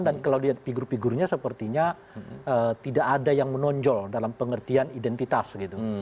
dan kalau dilihat figur figurnya sepertinya tidak ada yang menonjol dalam pengertian identitas gitu